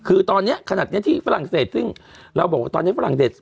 คือตอนนี้ขนาดนี้ที่ฝรั่งเศสซึ่งเราบอกว่าตอนนี้ฝรั่งเศส